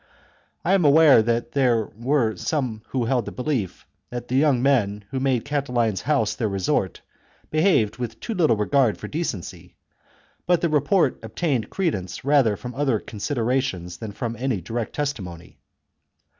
I am aware that there were some who held the belief that the young men who made Catiline's house their resort, behaved with too little regard for decency, but the report obtained credence rather from other considerations than from CHAP, any direct testimony.